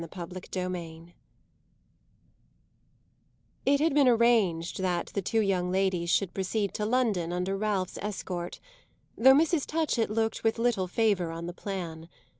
CHAPTER XV It had been arranged that the two young ladies should proceed to London under Ralph's escort, though Mrs. Touchett looked with little favour on the plan.